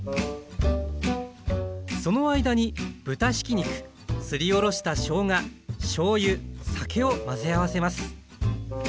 その間に豚ひき肉すりおろしたしょうがしょうゆ酒を混ぜ合わせます。